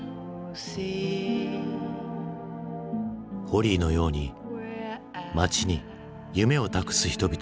ホリーのように街に夢を託す人々。